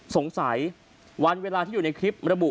สงสัยวันเวลาที่อยู่ในคลิประบุ